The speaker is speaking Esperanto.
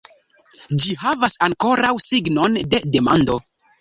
Ĝi havas ankoraŭ signon de demando.